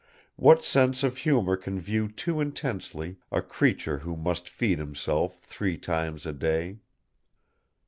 What sense of humor can view too intensely a creature who must feed himself three times a day?